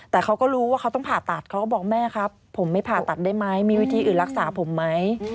แต่เขาก็รู้ว่าเขาต้องผ่าตัดเขาก็บอกแม่ครับผมไม่ผ่าตัดได้ไหมมีวิธีอื่นรักษาผมไหม